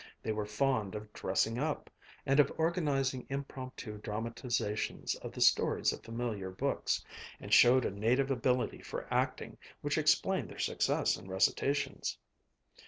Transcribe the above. They were fond of "dressing up" and of organizing impromptu dramatizations of the stories of familiar books, and showed a native ability for acting which explained their success in recitations.